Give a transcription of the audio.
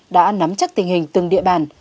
đã nắm chắc tình hình từng địa bàn